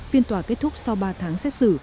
phiên tòa kết thúc sau ba tháng xét xử